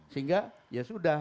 sehingga ya sudah